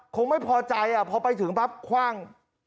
คงไม่พอใจพอไปถึงปั๊บคว่าง